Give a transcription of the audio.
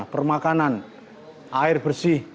permakanan air bersih